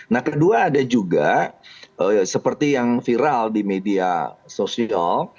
nah kedua ada juga seperti yang viral di media sosial